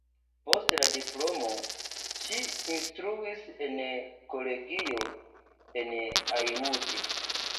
Post la diplomo ŝi instruis en kolegio en Aiud.